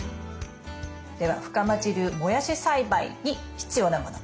では深町流もやし栽培に必要なもの。